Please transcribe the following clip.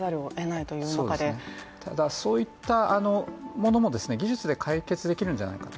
ただそういったものも技術で解決できるんじゃないか。